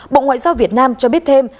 bộ ngoại giao việt nam cho biết thêm